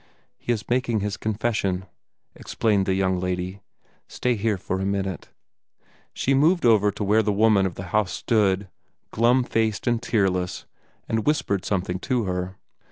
"He is making his confession," explained the young lady. "Stay here for a minute." She moved over to where the woman of the house stood, glum faced and tearless, and whispered something to her.